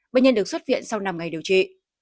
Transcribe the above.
bệnh nhân được xuất viện sau năm ngày điều trị